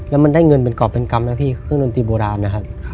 แล้วมันได้เงินเป็นกรอบเป็นกรรมนะพี่เครื่องดนตรีโบราณนะครับ